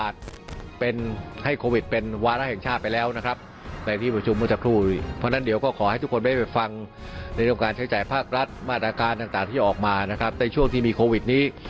ชิคแจ้งได้ว่ามันเป็นเรื่องของการบนกระทบจากโควิด